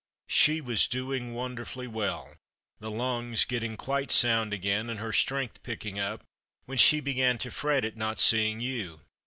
She was doing wonderfully well, the lungs getting quite sound again, and her strength picking up, when she began to fret at not seeing you.